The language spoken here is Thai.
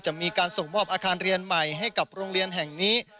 จะมีการส่งมอบอาคารเรียนใหม่ให้กับโรงเรียนแห่งนี้